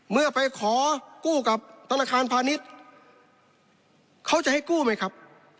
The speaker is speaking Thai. เมื่อไปขอกู้กับธนาคารพาณิชย์เขาจะให้กู้ไหมครับ